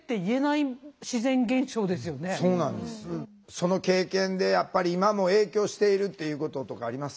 その経験でやっぱり今も影響しているっていうこととかあります？